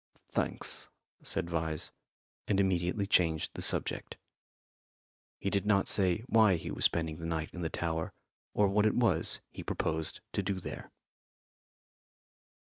"Thanks," said Vyse, and immediately changed the subject. He did not say why he was spending the night in the tower, or what it was he proposed to do there.